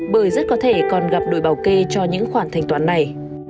bởi rất có thể còn gặp đội bảo kê cho những khoản thành toán này